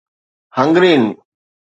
Hungarian